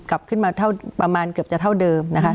กลับขึ้นมาเกือบเท่าเดิมนะคะ